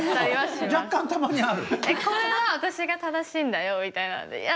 これは私が正しいんだよみたいなのでいや